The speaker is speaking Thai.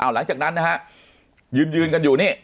หลังจากนั้นนะฮะยืนยืนกันอยู่นี่